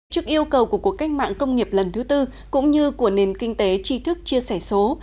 trước yêu cầu của cuộc cách mạng công nghiệp lần thứ tư cũng như của nền kinh tế tri thức chia sẻ số